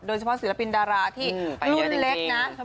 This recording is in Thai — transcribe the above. โดยเฉพาะศิลปินดาราที่รุ่นเล็กนะ